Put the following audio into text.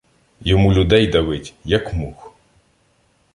Йому людей давить, як мух!